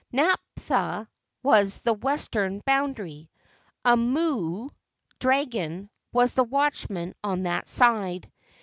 Napaha was the western boundary. A mo o (dragon) was the watchman on that side.